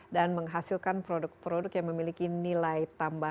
dan menghasilkan produk produk yang memiliki nilai yang lebih tinggi